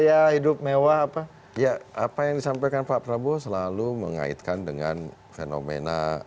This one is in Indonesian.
bahkan ikut terlibat dengan pemerintah yang kemudian membiarkan bahkan ikut terlibat dengan pemerintah